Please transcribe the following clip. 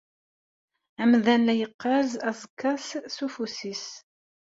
Amdan la yeqqaz aẓekka-s s ufus-is.